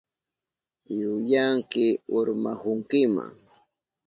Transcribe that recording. Yuyanki urmahunkima.